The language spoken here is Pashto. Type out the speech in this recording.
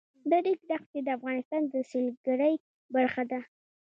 د ریګ دښتې د افغانستان د سیلګرۍ برخه ده.